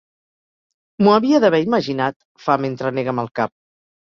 M'ho havia d'haver imaginat —fa, mentre nega amb el cap—.